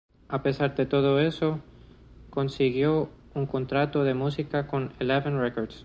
A pesar de todo eso consiguió un contrato de música con eleven records.